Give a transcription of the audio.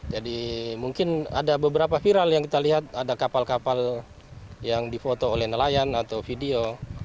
jadi mungkin ada beberapa viral yang kita lihat ada kapal kapal yang dipoto oleh nelayan atau video